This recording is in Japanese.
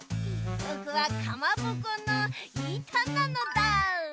ぼくはかまぼこのいたなのだ。